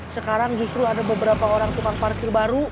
sekarang justru ada beberapa orang tukang parkir baru